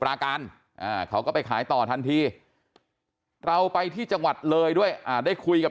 ราการเขาก็ไปขายต่อทันทีเราไปที่จังหวัดเลยด้วยได้คุยกับ